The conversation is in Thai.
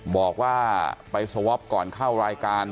บอกว่าไปสวอปก่อนเข้ารายการ